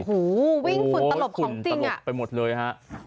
โอ้โหวิ่งผุ่นตะหบของจริงอ่ะอุโหผุ่นตะหบไปหมดเลยฮะ